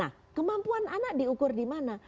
nah kemampuan anak diukur di mana